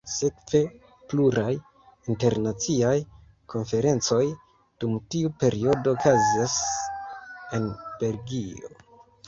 Sekve pluraj internaciaj konferencoj dum tiu periodo okazas en Belgio.